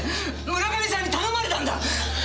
村上さんに頼まれたんだ！